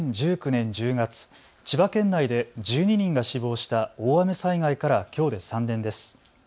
２０１９年１０月、千葉県内で１２人が死亡した大雨災害からきょうで３年です。